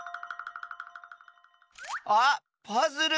あっパズル！